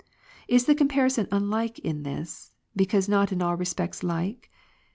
Is the comparison unlike in this, because not in all respects like